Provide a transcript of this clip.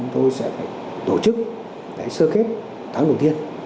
tổ chức sơ kết tháng đầu tiên